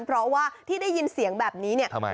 เพราะว่าที่ได้ยินเสียงแบบนี้เนี่ย